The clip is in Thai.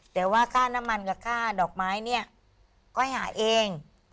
แต่ว่าค่าน้ำมันกับค่าดอกไม้เนี่ยก็ให้หาเอง